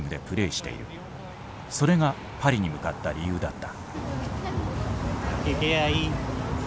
それがパリに向かった理由だった。